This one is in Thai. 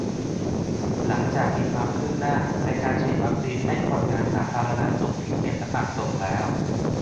หลังจากมีความคืบหน้า ในการฉีดวัคซีนให้คนงานสาธารณสุขที่เสี่ยงสัมผัสสูงแล้ว